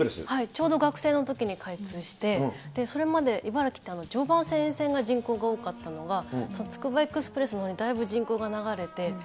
ちょうど学生のときに開通して、それまで茨城って、常磐線沿線が人口多かったのが、つくばエクスプレスのほうにだいぶ人口が流れて。